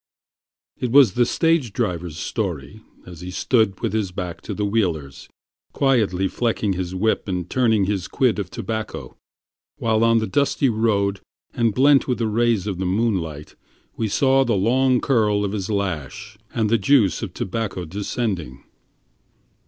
It was the stage driver's story, as he stood with his back to the wheelers, Quietly flecking his whip, and turning his quid of tobacco; While on the dusty road, and blent with the rays of the moonlight, We saw the long curl of his lash and the juice of tobacco descending.